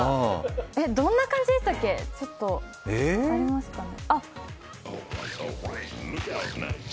えっ、どんな感じでしたっけ、ちょっとこれですかね。